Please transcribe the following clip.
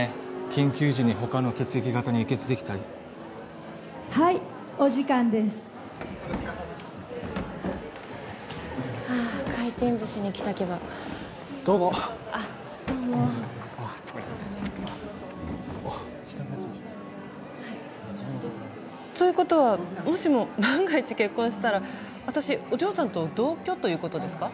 緊急時に他の血液型に輸血できたりはいお時間ですはあ回転寿司に来た気分どうもあっどうもということはもしも万が一結婚したら私お嬢さんと同居ということですか？